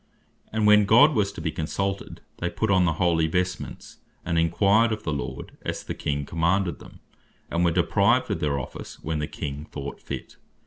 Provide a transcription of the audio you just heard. And when God was to be consulted, they put on the holy vestments, and enquired of the Lord, as the King commanded them, and were deprived of their office, when the King thought fit.